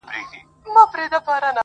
بيا دادی پخلا سوه ،چي ستا سومه.